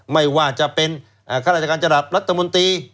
ไม่ว่าจะเป็นข้าราชการระดับรัฐมนตรี